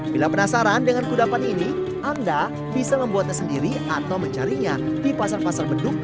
bila penasaran dengan kudapan ini anda bisa membuatnya sendiri atau mencarinya di pasar pasar beduk